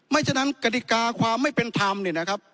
ฉะนั้นกฎิกาความไม่เป็นธรรมเนี่ยนะครับ